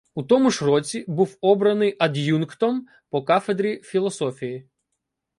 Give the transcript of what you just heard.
У тому ж році був обраний ад'юнктом по кафедрі філософії.